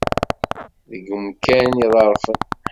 Deg yimukan iḍerfen.